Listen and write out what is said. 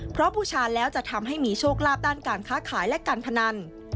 เพราะบูชาแล้วจะทำให้มีโชคลาภด้านการค้าขายและการพนัน